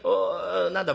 何だ？